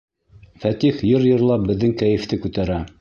Фәтих йыр йырлап беҙҙең кәйефте күтәрә.